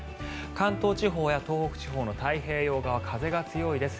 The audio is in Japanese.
関東地方や東北地方の太平洋側風が強いです。